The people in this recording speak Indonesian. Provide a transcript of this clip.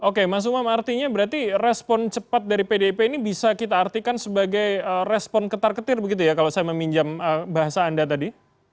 oke mas umam artinya berarti respon cepat dari pdip ini bisa kita artikan sebagai respon ketar ketir begitu ya kalau saya meminjam bahasa anda tadi